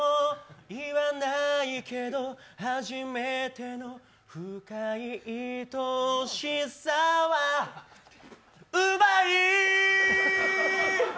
言わないけど初めての深いいとおしさはうまいー！